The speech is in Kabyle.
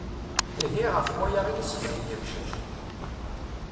Ihi ɣef waya i as-zzin yemcac.